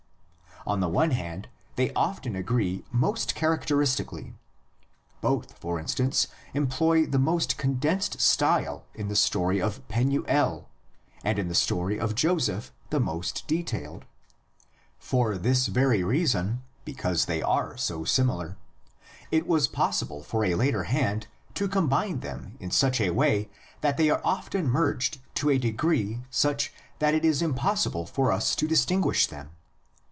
On the one hand they often agree most characteristically: both, for instance, employ the most condensed style in the story of Penuel, and in the story of Joseph the most detailed. For this very reason, because they are so similar, it was possible for a later hand to combine them in such a way that they are often ' Such is the outcome especially in Budde's Urgeschichte. 126 THE LEGENDS OF GENESIS. merged to a degree such that it is impossible for us to distinguish them.